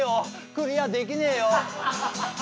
クリアできねえよ。